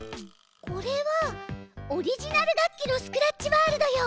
これはオリジナル楽器のスクラッチワールドよ。